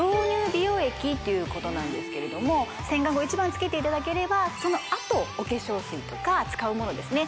美容液ということなんですけれども洗顔後一番につけていただければそのあとお化粧水とか使うものですね